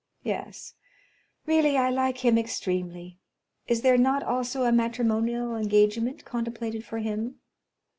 "Yes. Really I like him extremely; is there not also a matrimonial engagement contemplated for him?"